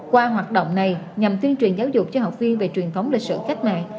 qua hoạt động này nhằm tiên truyền giáo dục cho học viên về truyền thống lịch sử khách mạng